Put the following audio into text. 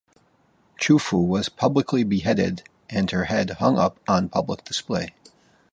Chu Fu was publicly beheaded and her head hung up on public display.